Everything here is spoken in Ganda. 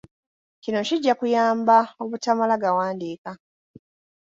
Kino kijja kukuyamba obutamala gawandiika